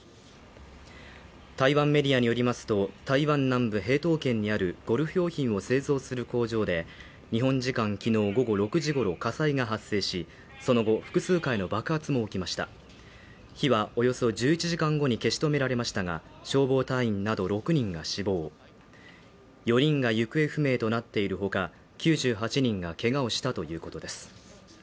台湾メディアによりますと台湾南部屏東県にあるゴルフ用品を製造する工場で日本時間昨日午後６時ごろ火災が発生しその後複数回の爆発も起きました火はおよそ１１時間後に消し止められましたが消防隊員など６人が死亡４人が行方不明となっているほか９８人がけがをしたということです